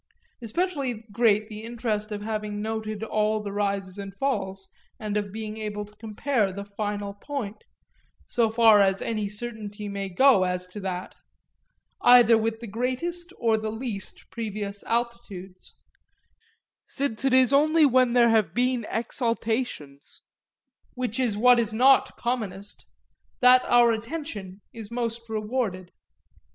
Especially great the interest of having noted all the rises and falls and of being able to compare the final point so far as any certainty may go as to that either with the greatest or the least previous altitudes; since it is only when there have been exaltations (which is what is not commonest), that our attention is most rewarded.